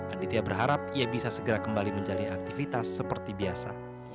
aditya berharap ia bisa segera kembali menjalani aktivitas seperti biasa